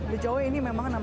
di jawa ini memang